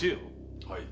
はい。